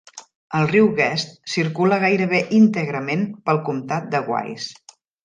El riu Guest circula gairebé íntegrament pel comtat de Wise.